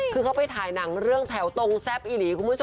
เค้าไปถ่ายหนังเรื่องแถวตรงแซะอิหรี่ครูผู้ชม